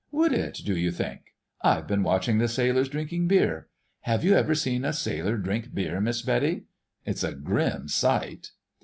"Would it, d'you think? I've been watching the sailors drinking beer. Have you ever seen a sailor drink beer, Miss Betty? It's a grim sight."